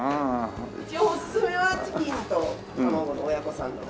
一応おすすめはチキンとタマゴの親子サンド。